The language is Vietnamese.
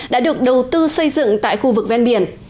đã được đầu tư xây dựng tại khu vực ven biển